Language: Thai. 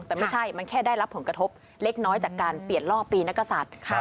แต่ไม่ใช่มันแค่ได้รับผลกระทบเล็กน้อยจากการเปลี่ยนล่อปีนักศัตริย์